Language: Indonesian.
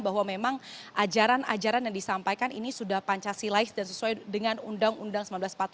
bahwa memang ajaran ajaran yang disampaikan ini sudah pancasilais dan sesuai dengan undang undang seribu sembilan ratus empat puluh lima